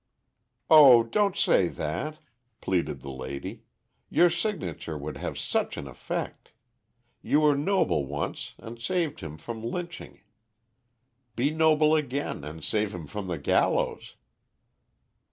"Oh, don't say that," pleaded the lady. "Your signature would have such an effect. You were noble once and saved him from lynching; be noble again and save him from the gallows."